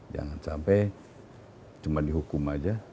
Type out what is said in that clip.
jangan sampai cuma dihukum aja